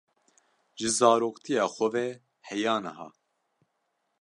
Ji zaroktiya xwe ve heya niha.